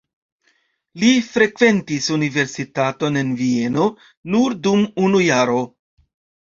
Li frekventis universitaton en Vieno nur dum unu jaro.